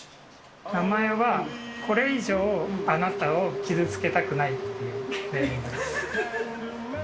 名前は、これ以上あなたを傷つけたくないっていうネーミングです。